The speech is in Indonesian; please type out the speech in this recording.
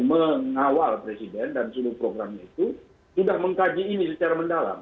mengawal presiden dan seluruh programnya itu sudah mengkaji ini secara mendalam